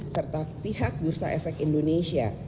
serta pihak bursa efek indonesia